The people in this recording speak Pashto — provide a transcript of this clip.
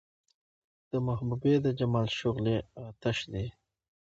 د محبوبې د جمال شغلې اۤتش دي